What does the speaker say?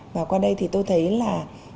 và qua đây thì tôi thấy là